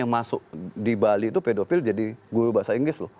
yang masuk di bali itu pedofil jadi guru bahasa inggris loh